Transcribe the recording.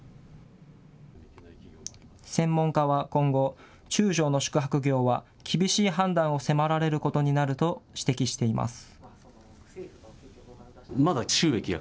専門家は今後、中小の宿泊業は厳しい判断を迫られることになると指摘しています。